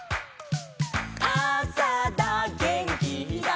「あさだげんきだ」